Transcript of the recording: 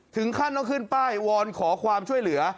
ถึงขั้นต้องขึ้นป้ายวอนขอความช่วยเหลือ